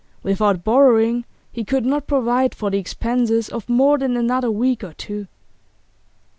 Without borrowing, he could not provide for the expenses of more than another week or two.